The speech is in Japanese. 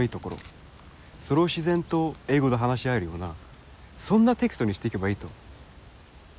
それを自然と英語で話し合えるようなそんなテキストにしていけばいいと。